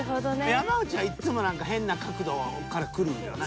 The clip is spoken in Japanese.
山内はいっつも何か変な角度からくるんよな。